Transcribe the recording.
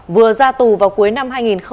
vừa ra tù vào cuối năm hai nghìn hai mươi một